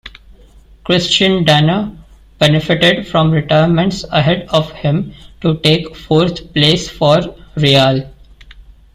Christian Danner benefited from retirements ahead of him to take fourth place for Rial.